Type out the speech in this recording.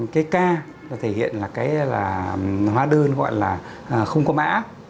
cái k thể hiện là hóa đơn gọi là không có mã